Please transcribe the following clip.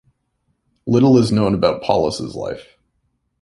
Little is known about Paulus' life.